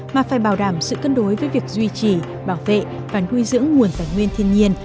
mà phải bảo đảm sự cân đối với việc duy trì bảo vệ và nuôi dưỡng nguồn tài nguyên thiên nhiên